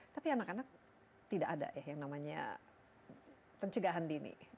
tapi anak anak tidak ada ya yang namanya pencegahan dini